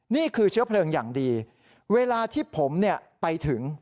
นี่คือเชื้อเพลิงอย่างดีเวลาที่ผมไปถึง